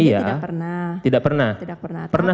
iya tidak pernah tidak pernah tidak pernah